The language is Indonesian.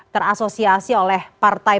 terasosiasi oleh partai